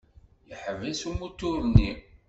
Yeḥbes umutur-nni.